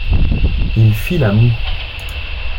Il fit la moue.